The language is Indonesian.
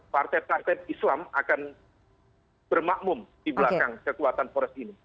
partai partai islam akan bermakmum di belakang kekuatan poros ini